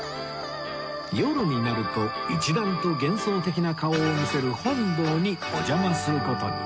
夜になると一段と幻想的な顔を見せる本堂にお邪魔する事に